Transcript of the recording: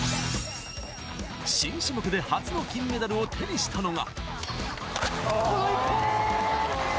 新種目で初の金メダルを手にしたのが。